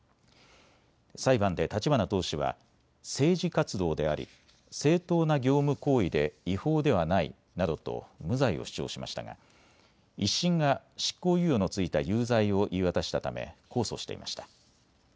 裁判で立花党首は政治活動であり正当な業務行為で違法ではないなどと無罪を主張しましたが１審が執行猶予のついた有罪を言い渡したため控訴していました。